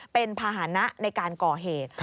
เป็นภาษณะในการก่อเหตุ